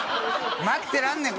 待ってらんねえ！